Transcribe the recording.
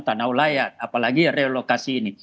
tanah ulayat apalagi relokasi ini